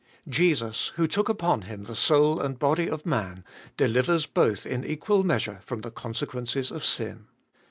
Jesns, who took upon Him the sou! and body of man, delivers both in equal measure from the consequences of sin.